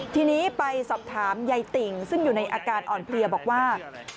ทีนี้ไปสอบถามยายติ่งซึ่งอยู่ในอาการอ่อนเพลียบอกว่า